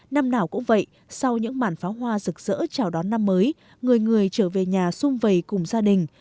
năm nào cũng vậy sau những màn pháo hoa rực rỡ chào đón năm mới người người trở về nhà xung vầy cùng gia đình